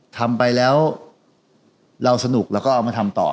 ทำไปแล้วเราสนุกแล้วก็เอามาทำต่อ